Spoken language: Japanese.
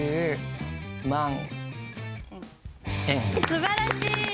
すばらしい！